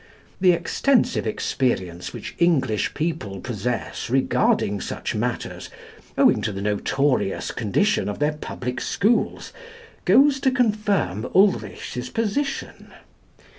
The extensive experience which English people possess regarding such matters, owing to the notorious condition of their public schools, goes to confirm Ulrichs' position.